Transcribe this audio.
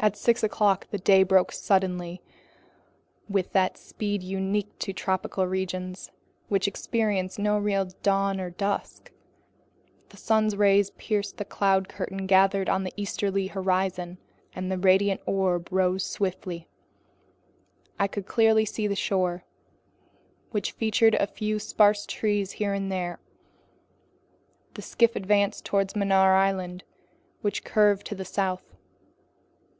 At six o'clock the day broke suddenly, with that speed unique to tropical regions, which experience no real dawn or dusk. The sun's rays pierced the cloud curtain gathered on the easterly horizon, and the radiant orb rose swiftly. I could clearly see the shore, which featured a few sparse trees here and there. The skiff advanced toward Mannar Island, which curved to the south.